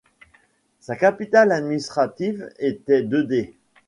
Sa capitale administrative était Deder.